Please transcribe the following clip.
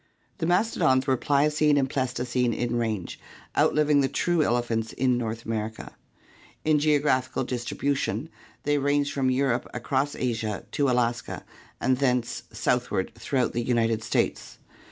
The mastodons were Pliocene and Pleistocene in range, outliving the true elephants in North America. In geographical distribution they ranged from Europe across Asia to Alaska and thence south ward throughout the United States.